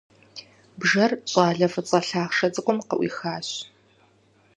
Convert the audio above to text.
Бжэр щӀалэ фӀыцӀэ лъахъшэ цӀыкӀум къыӀуихащ.